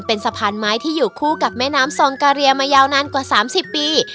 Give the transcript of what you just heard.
เป็นสะพานไม้ที่อยู่คู่กับแม่น้ำซองกาเรียมายาวนานกว่า๓๐ปี